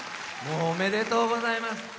おめでとうございます。